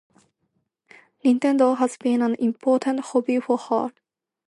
Nintendo has been an important hobby for her.